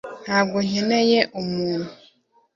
ntabwo nkeneye umuntu